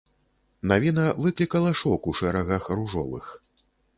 Навіна выклікала шок у шэрагах ружовых.